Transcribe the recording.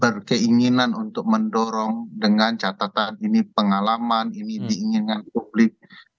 berkeinginan untuk mendorong dengan catatan ini pengalaman ini diinginkan publik